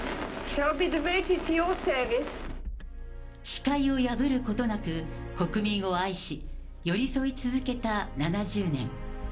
誓いを破ることなく、国民を愛し、寄り添い続けた７０年。